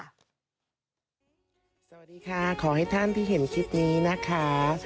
สวัสดีค่ะขอให้ท่านที่เห็นคลิปนี้นะคะ